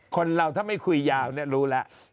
คนเราถ้าไม่คุยยาวเนี่ยรู้แล้ว